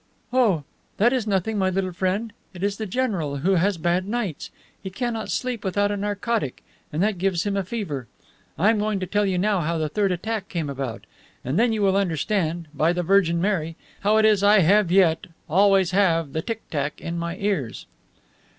"Oh, that is nothing, my little friend. It is the general, who has bad nights. He cannot sleep without a narcotic, and that gives him a fever. I am going to tell you now how the third attack came about. And then you will understand, by the Virgin Mary, how it is I have yet, always have, the tick tack in my ears.